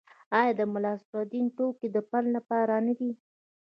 آیا د ملانصرالدین ټوکې د پند لپاره نه دي؟